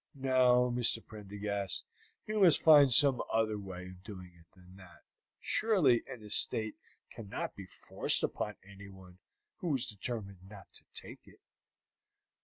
No, Mr. Prendergast, you must find some other way of doing it than that. Surely an estate cannot be forced upon anyone who is determined not to take it."